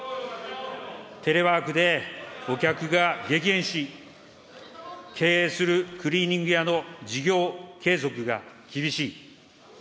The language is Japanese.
テレワークでお客が激減し、経営するクリーニング屋の事業継続が厳しい。